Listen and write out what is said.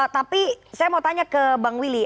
tapi saya mau tanya ke bang willy